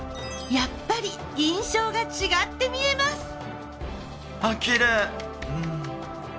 やっぱり印象が違って見えます。